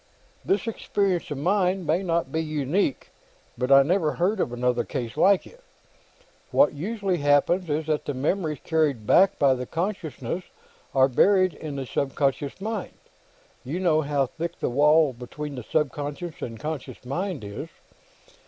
"This experience of mine may not be unique, but I never heard of another case like it. What usually happens is that the memories carried back by the consciousness are buried in the subconscious mind. You know how thick the wall between the subconscious and the conscious mind is.